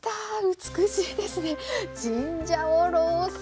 美しいですね。